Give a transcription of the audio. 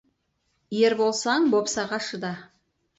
Ер болсаң, бопсаға шыда.